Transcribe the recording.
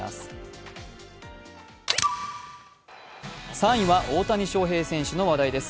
３位は大谷翔平選手の話題です。